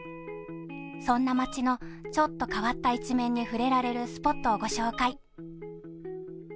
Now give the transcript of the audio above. そんな街のちょっと変わった一面に触れられるスポットを御紹介。